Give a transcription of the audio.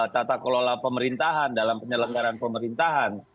tata kelola pemerintahan dalam penyelenggaran pemerintahan